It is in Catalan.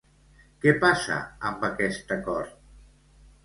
Què passa amb aquest acord?